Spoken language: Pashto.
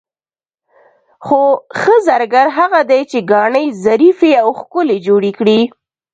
خو ښه زرګر هغه دی چې ګاڼې ظریفې او ښکلې جوړې کړي.